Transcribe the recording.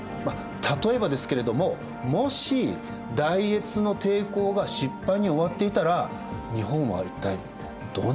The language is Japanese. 例えばですけれどももし大越の抵抗が失敗に終わっていたら日本は一体どうなってたでしょうね。